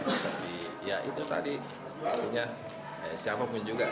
tapi ya itu tadi waktunya siapapun juga